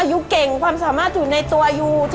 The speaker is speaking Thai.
ยูเก่งความสามารถอยู่ในตัวยู